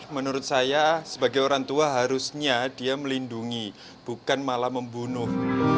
menurut saya sebagai orang tua harusnya dia melindungi bukan malah membunuh